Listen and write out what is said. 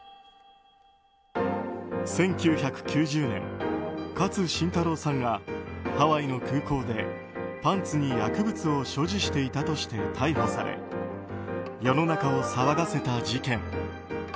１９９０年、勝新太郎さんがハワイの空港でパンツに薬物を所持していたとして逮捕され世の中を騒がせた事件。